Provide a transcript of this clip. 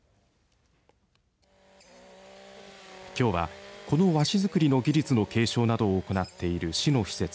きょうは、この和紙作りの技術の継承などを行っている市の施設